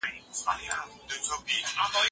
فتحعلي خان ترکمان له ډېرو پوځونو سره هرات ته ورسېد.